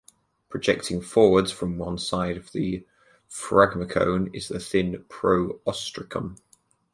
Projecting forwards from one side of the phragmocone is the thin "pro-ostracum".